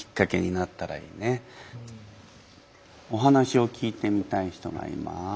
お話を聞いてみたい人がいます。